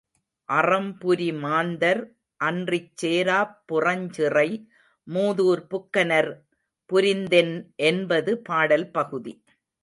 அறம்புரி மாந்தர் அன்றிச் சேராப் புறஞ்சிறை மூதூர் புக்கனர் புரிந்தென் என்பது பாடல் பகுதி.